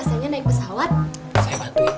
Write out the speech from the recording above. saya bantu ika